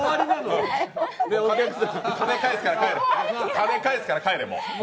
金返すから帰れ、もう。